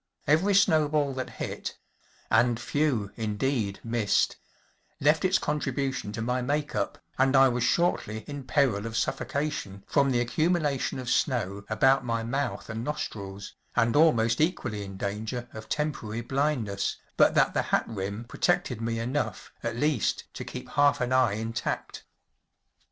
Every snowball that hit‚ÄĒand few, indeed, missed‚ÄĒleft its con¬ tribution to my make up, and I was shortly in peril of suffocation from the accumula¬ tion of snow about my mouth and nostrils, and almost equally in danger of temporary blindness, but that the hat rim protected me enough, at least, to keep half an eye intact Original from UNIVERSITY OF MICHIGAN THE SNOW MAN.